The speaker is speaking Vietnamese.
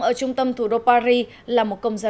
ở trung tâm thủ đô paris